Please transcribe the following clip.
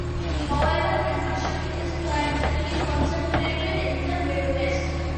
However, membership is primarily concentrated in the Midwest.